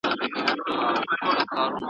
حتماً یې دا شعر هم لوستی دی `